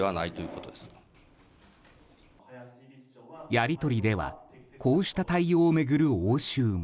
やり取りではこうした対応を巡る応酬も。